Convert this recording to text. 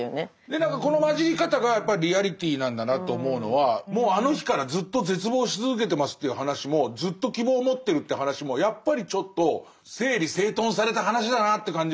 何かこの混じり方がやっぱリアリティなんだなと思うのはもうあの日からずっと絶望し続けてますっていう話もずっと希望を持ってるっていう話もやっぱりちょっと整理整頓された話だなって感じがしちゃうのが。